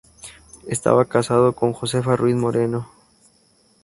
Estaba casado con Josefa Ruiz Moreno.